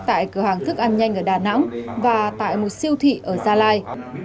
tại cửa hàng thức ăn nhanh ở đà nẵng và tại một siêu thị ở gia lai